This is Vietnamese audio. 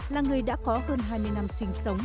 là người đã có hơn hai mươi năm sinh sống